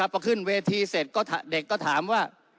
พอขึ้นเวทีเสร็จเด็กก็ถามว่า